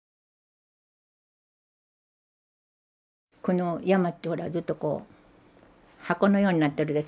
この山ってほらずっとこう箱のようになってるでしょ。